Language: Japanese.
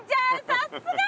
さっすが。